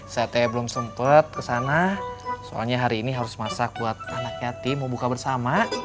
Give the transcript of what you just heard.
sate belum sempat kesana soalnya hari ini harus masak buat anak yatim mau buka bersama